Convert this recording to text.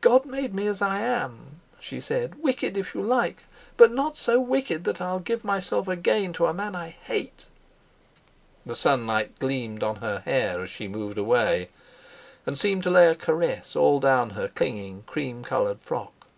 "God made me as I am," she said; "wicked if you like—but not so wicked that I'll give myself again to a man I hate." The sunlight gleamed on her hair as she moved away, and seemed to lay a caress all down her clinging cream coloured frock.